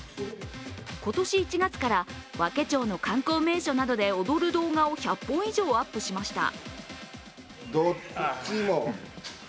今年１月から和気町の観光名所などで踊る動画を１００本以上アップしました。